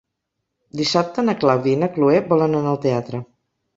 Dissabte na Clàudia i na Cloè volen anar al teatre.